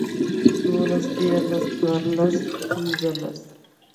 دولس ديارلس څوارلس پنځلس